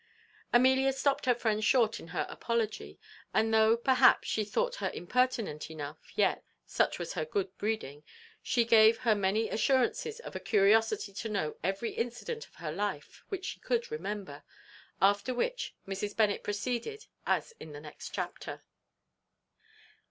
Amelia stopt her friend short in her apology; and though, perhaps, she thought her impertinent enough, yet (such was her good breeding) she gave her many assurances of a curiosity to know every incident of her life which she could remember; after which Mrs. Bennet proceeded as in the next chapter.